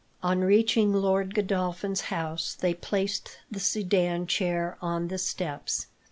On reaching Lord Godolphin's house they placed the sedan chair on the steps.